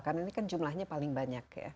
karena ini kan jumlahnya paling banyak ya